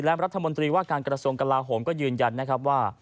และรัฐมนตรีว่าการกระทรวงกลาโหมก็ยืนยันนะครับว่า